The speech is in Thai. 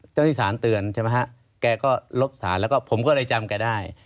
เจ้าที่สารเตือนใช่ไหมฮะแกก็ลบสารแล้วก็ผมก็เลยจำแกได้